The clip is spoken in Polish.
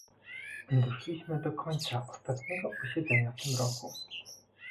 Doszliśmy do końca ostatniego posiedzenia w tym roku